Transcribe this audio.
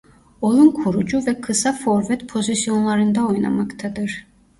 Oyun kurucu ve kısa forvet pozisyonlarında oynamaktadır.